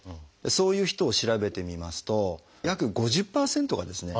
そういう人を調べてみますと約５０％がですね